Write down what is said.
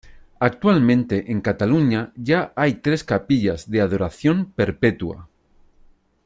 Actualmente en Cataluña ya hay tres Capillas de Adoración Perpetua.